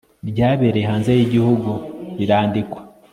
ryabereye hanze y igihugu rirandikwa